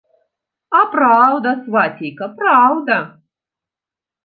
А праўда, свацейка, праўда.